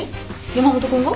山本君が？